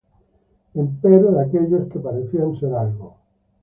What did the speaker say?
Empero de aquellos que parecían ser algo